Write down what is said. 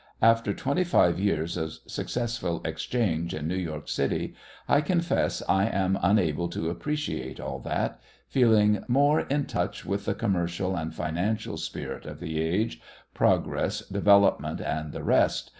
After twenty five years of successful "exchange" in New York City, I confess I am unable to appreciate all that, feeling more in touch with the commercial and financial spirit of the age, progress, development and the rest.